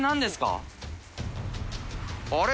あれ？